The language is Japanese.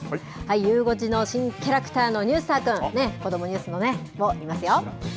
ゆう５時の新キャラクターのニュースターくん、こどもニュースのね、いますよ。